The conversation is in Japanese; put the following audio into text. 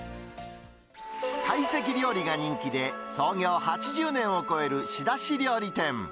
会席料理が人気で、創業８０年を超える仕出し料理店。